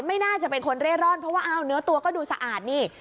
ไม่น่าจะเป็นคนเร่ร่อนเพราะว่าอ้าวเนื้อตัวก็ดูสะอาดนี่